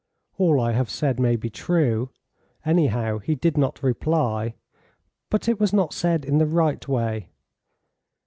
"All I have said may be true anyhow he did not reply. But it was not said in the right way.